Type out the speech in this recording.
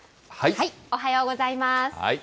おはようございます。